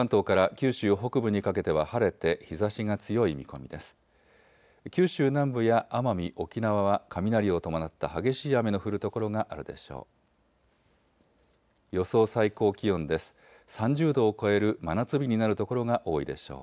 九州南部や奄美・沖縄は雷を伴った激しい雨の降る所があるでしょう。